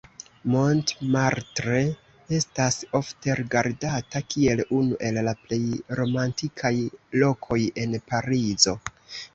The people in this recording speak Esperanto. Montmartre estas ofte rigardata kiel unu el la plej romantikaj lokoj en Parizo.